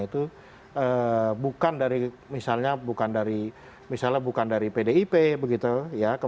itu bukan dari misalnya bukan dari misalnya bukan dari pdip begitu ya